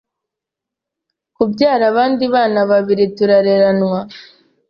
kubyara abandi bana babiri turareranwa